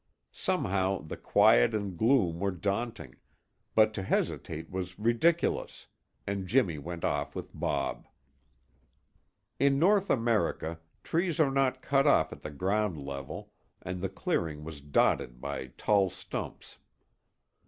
Somehow the quiet and gloom were daunting, but to hesitate was ridiculous and Jimmy went off with Bob. In North America, trees are not cut off at the ground level and the clearing was dotted by tall stumps.